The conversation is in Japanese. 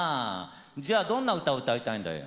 じゃあどんな歌を歌いたいんだよ？